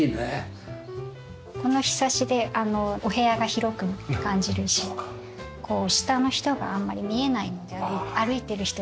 この庇でお部屋が広く感じるし下の人があんまり見えないので歩いてる人がですね。